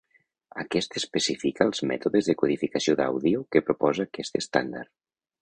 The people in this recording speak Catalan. Aquest especifica els mètodes de codificació d'àudio que proposa aquest estàndard.